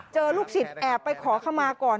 เจอลูกศิษย์แอบไปขอคำมาก่อน